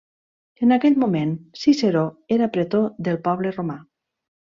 En aquell moment, Ciceró era pretor del poble romà.